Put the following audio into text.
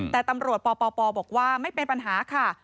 แต่ตำรวจปปบอกว่าไม่เป็นปัญหาค่ะ